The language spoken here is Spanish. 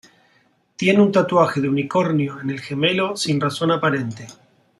Tiene un tatuaje de unicornio en el gemelo sin razón aparente.